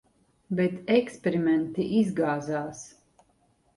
Bet eksperimenti izgāzās.